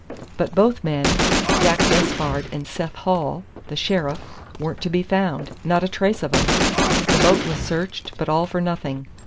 But both men Jack Despard and Seth Hall, the sheriff weren't to be found. Not a trace of 'em. The boat was searched, but all for nothing.